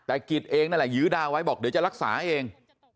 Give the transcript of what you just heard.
แต่กิจเองนั่นแหละยื้อดาวไว้บอกเดี๋ยวจะรักษาเอง